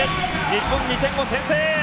日本、２点を先制！